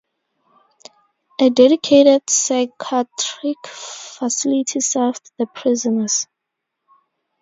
A dedicated psychiatric facility serves the prisoners.